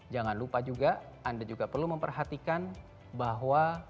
jangan lupa juga anda juga harus belajar teknik teknik berinvestasi dan mengembangkan uang yang anda miliki